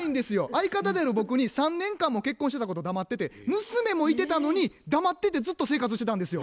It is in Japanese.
相方である僕に３年間も結婚してたこと黙ってて娘もいてたのに黙っててずっと生活してたんですよ。